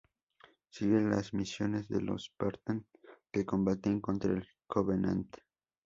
Sigue las misiones de los Spartan que combaten contra el Covenant.